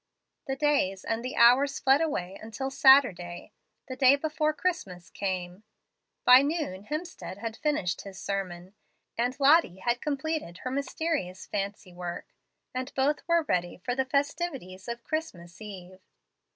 The days and the hours fled away until Saturday the day before Christmas came. By noon Hemstead had finished his sermon, and Lottie had completed her mysterious fancy work; and both were ready for the festivities of Christmas eve.